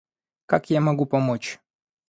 Как я могу помочь?